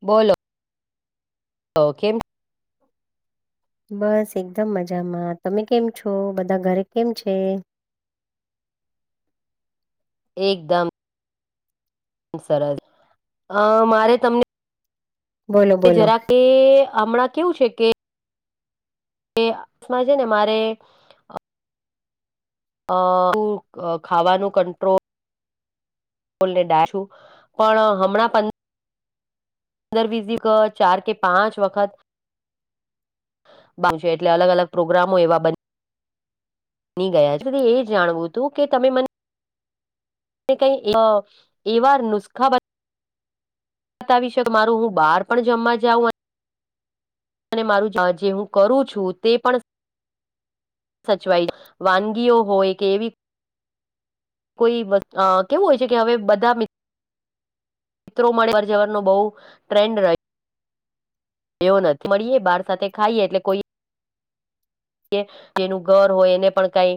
બોલો તો કેમ બસ એકદમ મજામાં તમે કેમ છો બધા ઘરે કેમ છે એકદમ સરસ અહ મારે તમને બોલો કે બોલો જરા કે હમણાં કેવું છે કે તે આસમા છે ને મારે અહ હું અહ ખાવાનું કંટ્રોલ લે ડાલુ પણ હમણાં પં પંદર વિગ ક ચાર કે પાંચ વખત બનશે એટલે અલગ અલગ પ્રોગ્રામો એવા બ ની ગયા છે એ જાણવું હતું કે તમે મન કઈ અહ એવા નુસખા બ તાવી શ તમારું હું બહાર પણ જમવા જાઉં અને મારું જા જે હું કરું છું તે પણ સચવાઈ વાનગીઓ હોય કે એવી કોઈ વશ અહ કેવું હોય છે કે હવે બધા મી ત્રો માં અવર જવર નો બહુ ટ્રેન્ડ રહે એવો નથી મળીએ બહાર સાથે ખાઈએ એટલે કોઈ જે એનું ઘર હોય એને પણ કઈ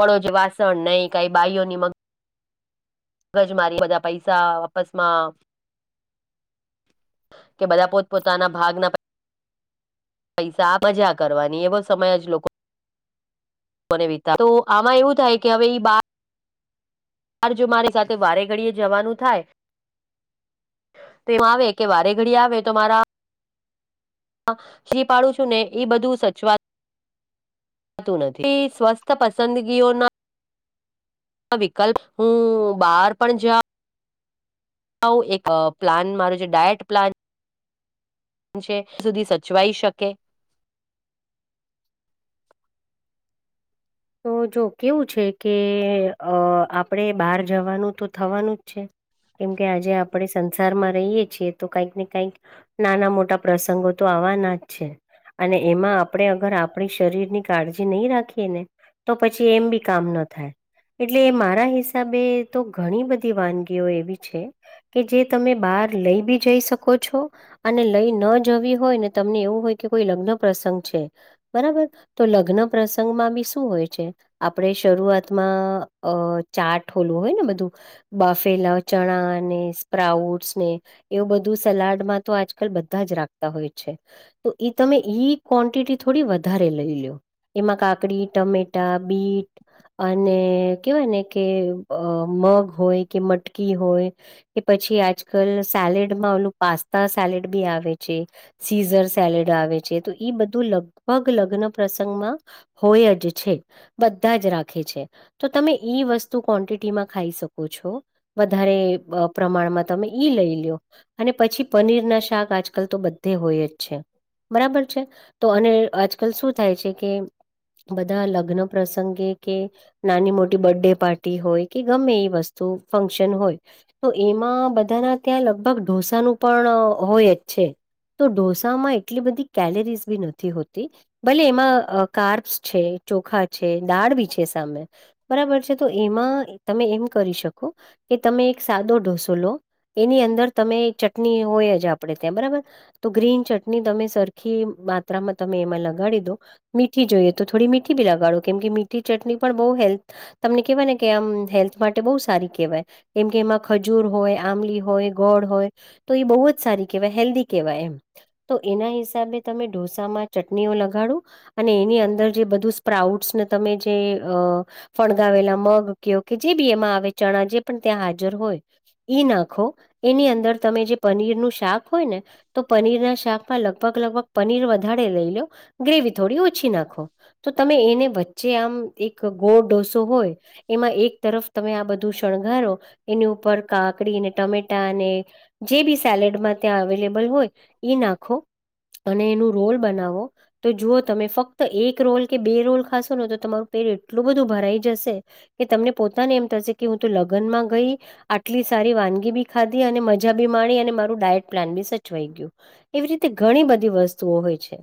પડોજ વાસણ નહી કઈ બાાઈઓની મગ મગજ મારી બધા પૈસા આપસ માં કે બધા પોત પોતાના ભાગના પૈસા મજા કરવાની એવો સમય જ લોકો વિ તો આમાં એવું થાય કે હવે બા હાર જો મારી સાથે વારે ઘડીએ જવાનું થાય તે આવે કે વારે ઘડી આવે તો મારા માં શી પાડું છું ને ઈ બધું સચવાત તું નથી સ્વસ્થ પસંદગીઓ ના ના વિકલ્પ હું બહાર પણ જા વું એક પ્લાન મારું જે ડાયટ પ્લાન છે તે સુધી સચવાઈ શકે તો જો કેવું છે કે અહ આપડે બહાર જવાનું તો થવાનું જ છે. કેમ કે આજે આપડે સંસારમાં રહીએ છીએ તો કઈક ને કઈક નાના મોટા પ્રસંગો તો આવવાના જ છે. અને એમાં આપડે અગર આપડી શરીર ની કાળજી નહી રાખીએ ને તો પછી એમ બી કામ ન થાય. એટલે એ મારા હિસાબે તો ઘણી બધી વાનગીઓ એવી છે તે જે તમે બહાર લઈ બી જઈ શકો છો અને લઈ ન જવી હોય ને તમને એવું હોય કે કોઈ લગ્ન પ્રસંગ છે બરાબર તો લગ્ન પ્રસંગ માં બી શું હોય છે, આપડે શરૂઆતમાં અહ ચાટ હોલું હોય ને બધું બાફેલા ચણા, ને સ્પ્રાઉટસ, ને એવું બધું સલાડમાં તો આજકાલ બધા જ રાખતા હોય છે. તો એ તમે ઈ ક્વોન્ટિટી થોડી વધારે લઈ લો, એમાં કાકડી ટમેટા, બીટ અને કેવાયને કે અહ મગ હોય કે મટકી હોય કે પછી આજકાલ સેલેડમાં ઓલું પાસ્તા સેલેડ બી આવે છે. સીઝર સેલેડ આવે છે તો ઈ બધું લગભગ લગ્ન પ્રસંગમાં હોય જે છે. બધા જ રાખે છે તો તમે ઈ વસ્તુ ક્વન્ટિટીમાં ખાઈ શકો છો. વધારે અહ પ્રમાણમાં તમે ઈ લઈ લ્યો અને પછી પનીર ના શાક આ જકાલ તો બધે હોય જ છે બરાબર છે. તો અને આજકાલ શું થાય છે કે બધા લગ્ન પ્રસંગે કે નાની-મોટી બર્ડે પાર્ટી હોય કે ગમે એવી વસ્તુ ફંક્શન હોય તો એમાં બધાના ત્યાં લગભગ ઢોસાનું પણ હોય જ છે તો ઢોસામાં એટલી બધી કેલરીઝ બી નથી હોતી ભલે એમાં કાર્બ છે, ચોખા છે, દાળ બી છે સામે બરાબર છે, તો એમાં તમે એમ કરી શકો કે તમે એક સાદો ઢોસો લો એની અંદર તમે ચટણી હોય જ આપણે ત્યાં બરાબર. તો ગ્રીન ચટણી તમે સરખી માત્રામાં તમે એમાં લગાડી દો મીઠી જોઈએ. તો થોડી મીઠી બી લગાડો, કેમ કે મીઠી ચટણી પણ બહુ હેલ્થ તમને કેહેવાય ને કે આમ હેલ્થ માટે બહુ સારી કહેવાય. કેમ કે એમાં ખજૂર હોય, આંમલી હોય, ગોળ હોય તો એ બહુ જ સારી કેહેવાય હેલ્ધી કહેવાય એમ. તો એના હિસાબે તમે ઢોસામાં ચટણીઓ લગાડો અને એની અંદર જે બધું સ્પ્રાઉડ્સ ને તમે જે અ ફણગાવેલા મગ કેઓ કે જે બી એમાં આવે ચણા જે પણ ત્યાં હાજર હોય ઈ નાખો એની અંદર તમે જે પનીરનું શાક હોય ને તો પનીરના શાકમાં લગભગ-લગભગ પનીર વધારે લઈ લો ગ્રેવી થોડી ઓછી નાખો. તો તમે એને વચ્ચે આમ એક ગોળ ડોસો હોય એમાં એક તરફ તમે આ બધું શણગારો એની ઉપર કાકડીને ટમેટા અને જે બી સેલેડમાં ત્યાં અવેલેબલ હોય એ નાખો અને એનું રોલ બનાવો તો જુઓ તમે ફક્ત એક એક રોલ કે બે રોલ ખાશો ને તો તમારું પેટ એટલું બધું ભરાઈ જશે કે તમને પોતાને એમ થશે કે હું તો લગ્નમાં ગઈ આટલી સારી વાનગી બી ખાધી અને મજા બી માણી અને મારું ડાયટ પ્લાન બી સચવાઈ ગયું. એવી રીતે ઘણી બધી વસ્તુઓ હોય છે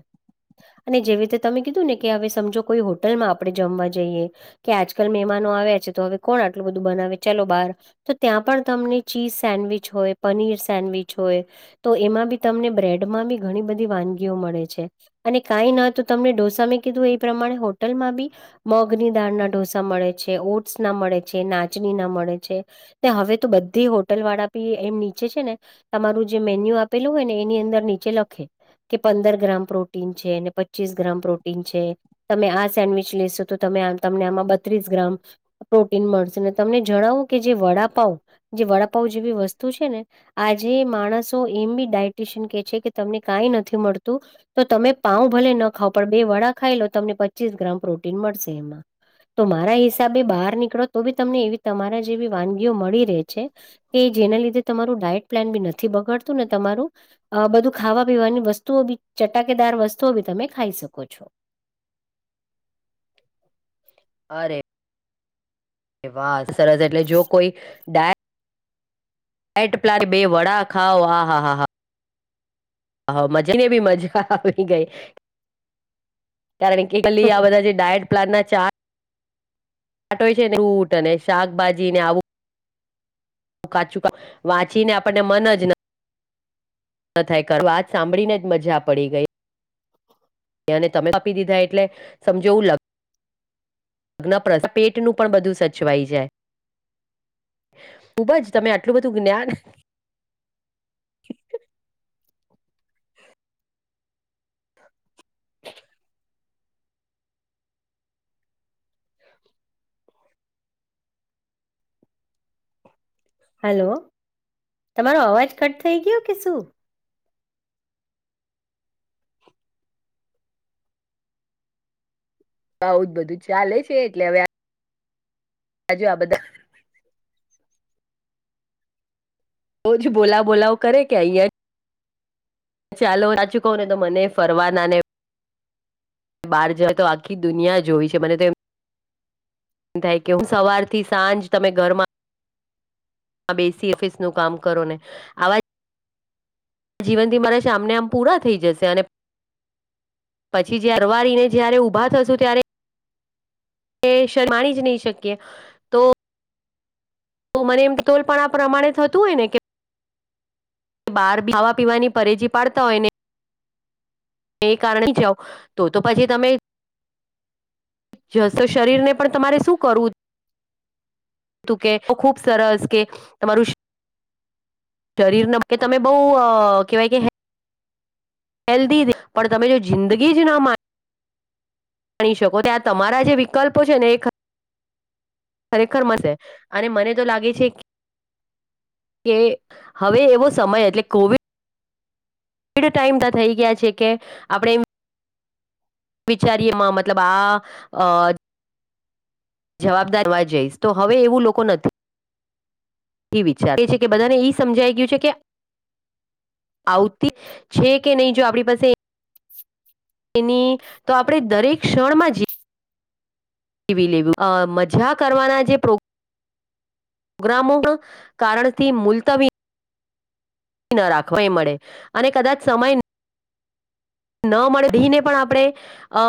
અને જેવી રીતે તમે કીધું ને કે હવે સમજો કોઈ હોટલમાં આપણે જમવા જઈએ કે આજકાલ મહેમાનો આવ્યા છે તો હવે કોણ આટલું બધું બનાવે ચલો બાર તો ત્યાં પણ તમને ચીઝ સેન્ડવીચ હોય, પનીર સેન્ડવીચ હોય તો એમાં બી તમને બ્રેડમાં બી ઘણી બધી વાનગીઓ મળે છે. અને કાંઈ ન તો તમને ઢોસા મેં કીધું એ પ્રમાણે હોટલમાં બી મગની દાળના ઢોસા મળે છે, ઓટ્સ ના મળે છે, નાચની ના મળે છે ને હવે તો બધી હોટલ વાળા બી એમ નીચે છે ને તમારું જે મેન્યુ આપેલું હોય ને એની અંદર નીચે લખે કે પંદર ગ્રામ પ્રોટીન છે, અનેન પચીસ ગ્રામ પ્રો છે તમે આ સેન્ડવીચ લેશો તોમે તમને આમાં બત્રીસ ગ્રામ પ્રોટીન મળશે, ને તમને જણાવો કે જે વડાપાઉ જે વડાપાઉ જેવી વસ્તુ છે ને આજે માણસો એમ બી ડાયટીશિયન કે છે કે તમને કઈ નથી મળતું તો તમે પાઉ ભલે ન ખાવ પણ બે વડા ખાઈ લો તમને પચીસ ગ્રામ પ્રોટીન મળશે એમાં. તો મારા હિસાબે બહાર નીકળો તો બી તમને એવી તમારા જેવી વાનગીઓ મળી રહે છે કે જેના લીધે તમારું ડાયટ પ્લાન બી નથી બગાડતું ને તમારું અ બધું ખાવા પીવાની વસ્તુઓ બી ચટાકેદાર વસ્તુઓ બી તમે ખાઈ શકો છો. અરે વાહ સરસ એટલે જો કોઈ ડાય [unintelligible] પ્લાન બે વડા ખાઓ આ હા હા હા હ મજા ને એ બી મજા આવી ગઈ. કારણ કે કલી આ બધા જે ડાયટ પ્લાન ચાટ હોય છે ને ફ્રુટ શાકભાજી આવું કાચું વાંચી ને આપણને મન જ ન થાય કરવા, વાત સાંભળી ને જ મજા પડી ગઈ. ને તમે કાપી દીધા એટલે સમજ એવું લ નપ્રશ પેટનું પણ બધું સચવાઈ જાય. ખૂબ જ તમે આટલું બધું જ્ઞાન હલો તમારો અવાજ કટ થઈ ગયો કે શું? આઉ જ બધું ચાલે છે એટલે હવે આ જો આ બધા. બહુ જ બોલાવ બોલાવ કરે કે અહિયાં ચાલો સાચું કહું ને તો મને ફરવા ના બહાર જવા તો આખી દુનિયા જોવી છે મને તો એ થાય કે સવાર થી સાંજ તમે ઘરમાં બેસી ઓફિસનું કામ કરો ને આવાજ જીવનથી મારા સામને આમ પૂરા થઈ જશે અને પછી જારે પરવારીને જયારે ઊભા થશું ત્યારે એ શણ માણી જ નહી શકીએ. તો મને એમ તોલ પણ આ પ્રમાણે થતું હોય ને કે બહાર બી ખાવા પીવાની પરેજી પાડતા હોય ને એ કારણે જાઓ તો તો પછી તમે જસ તો શરીર ને પણ તમારે શું કરવું. તુ કે ખુબ સરસ કે તમારું શ શરીરને કે તમે બહુ અ કહેવાય કે હેલ્ધી પણ તમે જો જિંદગી જ ના મા માણી શકો ત આ તમારા જે વિકલ્પો છે ને એ ખરેખર મશે અને મને તો લાગે છે. કે હવે એવો સમય એટલે કોવિડ ટાઈમ ત થઈ ગયા છે કે આપડે એમ. વિચારી એમાં મતલબ આ અ જવાબદાર જોવા જઈશ તો હવે એવું લોકો નથી. એ વિચાર એ છે કે બધાને ઈ સમજાઈ ગયું છે કે આવતી છે કે નહીં જો આપણી પાસે [inaudible] ની તો આપણે દરેક ક્ષણમાં જી જીવી લેવુ અ મજા કરવાના જે પ્રો ગ્રામો કારણથી મુલતવી. ન રાખવા એ મળે અને કદાચ સમય ન મળે દીને પણ આપણે અ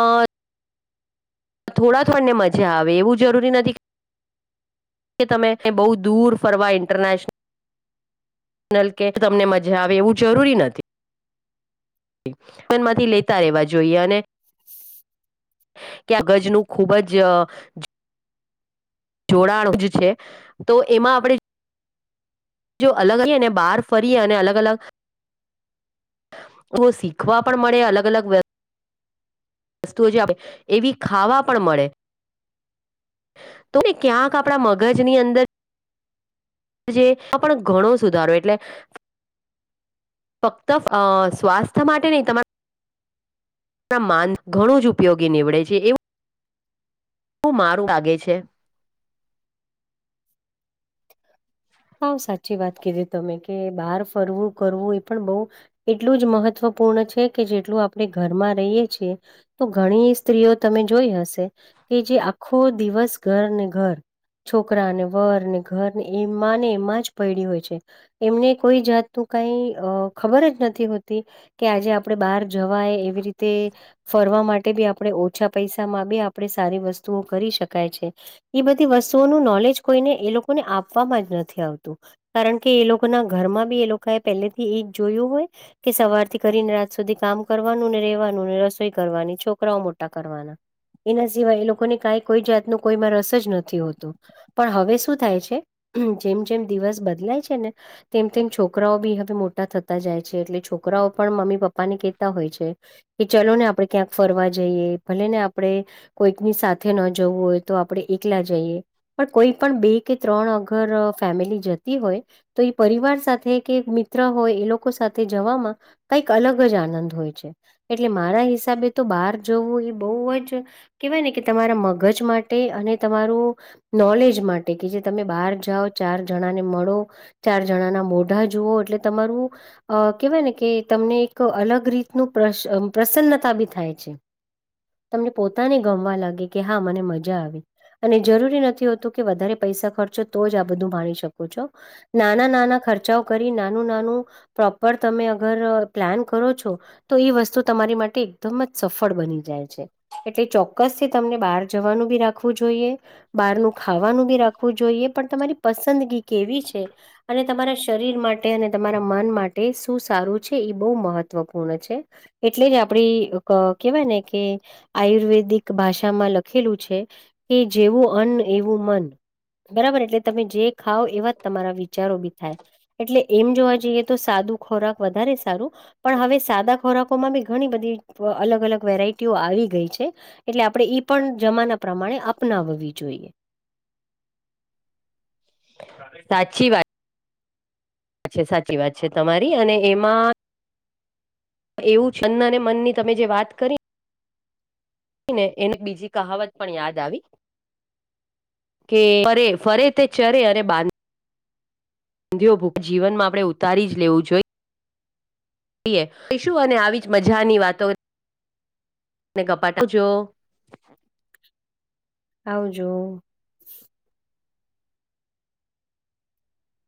થોડા થોણને મજા આવે એવું જરૂરી નથી કે તમે બહુ દૂર ફરવા ઇન્ટરનેશ નલ કે તમને મજા આવે એવું જરૂરી નથી. ન માંથી લેતા રેવા જોઈએ અને. કે આ ગજ નું ખુબ જ જોડાણું જ છે તો એમાં આપડે જો અલગ આવીઈ ને બહાર ફરીએ અને અલગ-અલગ. ઓ શીખવા પણ મળે અલગ-અલગ વ વસ્તુઓ જે આપે એવી ખાવા પણ મળે. તો બી ક્યાંક આપડા મગજ ની અંદર. જે એમાં પણ ઘણો સુધારો એટલે ફક્ત અ સ્વાસ્થ્ય માટે નહી તમારા માન ઘણું જ ઉપયોગી નીવડે છે એવું મારું લાગે છે. [inaudible] બહુ સાચી વાત કીધી તમે કે બહાર ફરવું કરવું એ પણ બઉ એટલું જ મહત્વપૂર્ણ છે કે જેટલું આપણે ઘરમાં રહીએ છીએ. તો ઘણી સ્ત્રીઓ તમે જોઈ હશે કે, જે આખો દિવસ ઘર ને ઘર. છોકરા ને વર ને ઘરને એમાંને એમાં જ પૈડી હોય છે. એમને કોઈ જાતનું કઈ અ ખબર જ નથી હોતી. કે આજે આપડે બહાર જવાય એવી રીતે. ફરવા માટે બી આપણે ઓછા પૈસામાં બી આપણે સારી વસ્તુઓ કરી શકાય છે. એ બધી વસ્તુઓનું નોલેજ કોઈને એ લોકોને આપવામાં જ નથી આવતું. કારણ કે, એ લોકો ના ઘરમાં બી એ લોકો એ પહેલે થી એ જ જોયું હોય. કે સવારથી કરીને રાત સુધી કામ કરવાનું ને, રેવાનું, રસોઈ કરવાની, છોકરાઓ મોટા કરવાના. એના સિવાય એ લોકોને ક કોઈ જાત ન કોઈમાં રસ જ નથી હોતો. પણ હવે શું? થાય છે જેમ જેમ દિવસ બદલાય છે ને તેમ તેમ છોકરાઓ બી હવે મોટા થતા જાય છે. એટલે છોકરાઓ પણ મમ્મી પપ્પા ને કહેતા હોય છે. કે ચાલો ને આપડે ક્યાંક ફરવા જઈએ. ભલે ને આપણે કોઈકની સાથે ન જવું હોય તો આપણે એકલા જઈએ. પણ કોઈ પણ બે કે ત્રણ અગર ફેમિલી જતી હોય, તો એ પરિવાર સાથે કે, મિત્ર હોય એ લોકો સાથે જવામાં કંઈક અલગ જ આનંદ હોય છે. એટલે મારા હિસાબે તો બહાર જવું એ બહુ જ કેવાય ને કે તમારા મગજ માટે અને તમારું નોલેજ માટે એટ કે જે તમે બહાર જાઓ ચાર જણાને મળો. ચાર જણાના મોઢા જુઓ એટલે તમારું અ કેહેવાય ને કે, તમને એક અલગ રીતનું પ્રસન્નતા બી થાય છે. તમને પોતાને ગમવા લાગે કે હા મને મજા આવી અને જરૂરી નથી હોતું કે વધારે પૈસા ખર્ચો તો જ આ બધું ભણી શકો છો નાના નાના ખર્ચાઓ કરી નાનું નાનું પ્રોપર તમે અગર પ્લાન કરો છો? તો એ વસ્તુ તમારી માટે એકદમ જ સફળ બની જાય છે. એટલે ચોક્કસ થી તમને બહાર જવાનું બી રાખવું જોઈએ, બહારનું ખાવાનું બી રાખ જોઈએ. પણ તમારી પસંદગી કેવી છે? અને તમારા શરીર માટે માટે અને તમારા મન માટે શું સારું છે? એ બહુ મહત્વપૂર્ણ છે. એટલે જ આપડી કેવાય ને કે આયુર્વેદિક ભાષામાં લખેલું છે કે, જેવું અન્ન એવું મન. બરાબર એટલે તમે જે ખાવ એવા જ તમારા વિચારો બી થાય. એટલે એમ જોવા જઈએ તો સાદું ખોરાક વધારે સારું. પણ હવે સાદા ખોરાકોમાં બી ઘણી બધી અલગ અલગ વેરાયટીઓ આવી ગઈ છે. એટલે આપણે ઈ પણ જમાના પ્રમાણે અપનાવવી જોઈએ. સાચી વાત! અચછા સાચી વાત છે, તમારી અને એમાં એવું છન્ન અને મનની તમે જે વાત કરી ને? ને એને બીજી કહાવત પણ યાદ આવી. કે ફરે ફરે તે ચરે અને બાંધી [unintelligible] સંંધઓ જીવનમાં આપણે ઉતારી જ લેવું જોઈએ. શું અને આવી જ મજાની વાતો, [unintelligible] ગપાટા આવજો. આવજો.